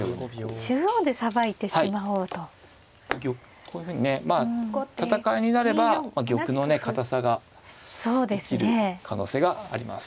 こういうふうにねまあ戦いになれば玉のね堅さが生きる可能性があります。